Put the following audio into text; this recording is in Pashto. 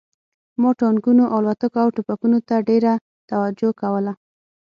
ما ټانکونو الوتکو او ټوپکونو ته ډېره توجه کوله